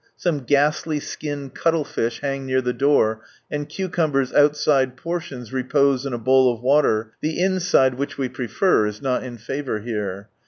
Some ghastly skinned cuttle fish hang near the door; and ■ cucumbers' outside portions repose in a bowl of water, the insiile which we prefer I is not in favour here.